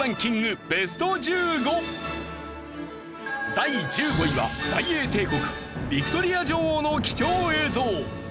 第１５位は大英帝国ヴィクトリア女王の貴重映像。